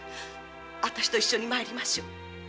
わたしと一緒に参りましょう。